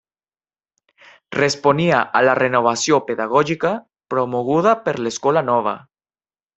Responia a la renovació pedagògica promoguda per l'escola nova.